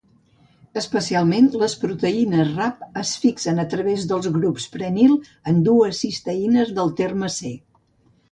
Especialment, les proteïnes Rab es fixen a través dels grups prenil en dues cisteïnes del terme C.